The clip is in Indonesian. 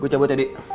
gue cabut ya di